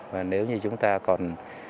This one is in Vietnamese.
và nếu như chúng ta còn